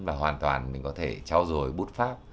và hoàn toàn mình có thể trao dồi bút pháp